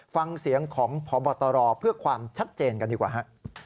ฟังเสียงของพบตรเพื่อความชัดเจนกันดีกว่าฮะ